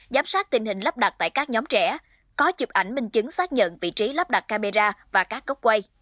giám sát tình hình lắp đặt tại các nhóm trẻ có chụp ảnh minh chứng xác nhận vị trí lắp đặt camera và các cốc quay